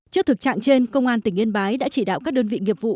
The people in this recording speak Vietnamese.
trước thực trạng trên công an tỉnh yên bái đã chỉ đạo các đơn vị nghiệp vụ